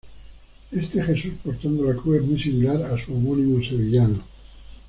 Este Jesús portando la cruz es muy similar a su homónimo sevillano.